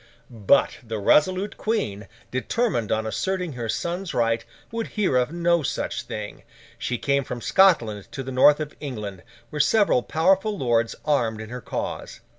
But, the resolute Queen, determined on asserting her son's right, would hear of no such thing. She came from Scotland to the north of England, where several powerful lords armed in her cause.